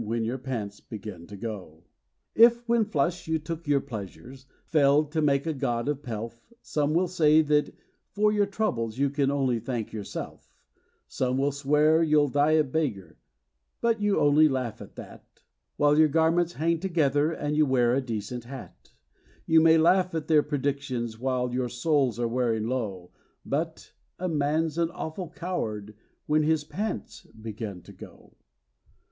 WHEN YOUR PANTS BEGIN TO GO 67 If, when flush, you took your pleasure failed to make a god of Pelf Some will say that for your troubles you can only thank yourself ; Some will swear you'll die a beggar, but you only laugh at that While your garments hang together and you wear a decent hat ; You may laugh at their predictions while your soles are wearing through But a man's an awful coward when his pants are going too